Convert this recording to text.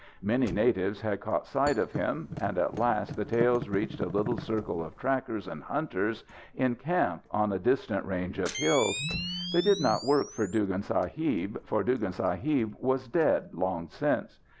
Many natives had caught sight of him, and at last the tales reached a little circle of trackers and hunters in camp on a distant range of hills. They did not work for Dugan Sahib, for Dugan Sahib was dead long since.